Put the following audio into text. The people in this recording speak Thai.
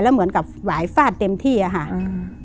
เหมือนกับหวายฟาดเต็มที่อ่ะค่ะอืม